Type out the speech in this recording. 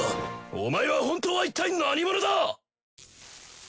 お前は本当はいったい何者だ！